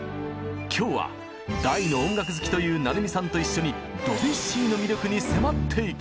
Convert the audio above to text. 今日は大の音楽好きという成海さんと一緒にドビュッシーの魅力に迫っていきます！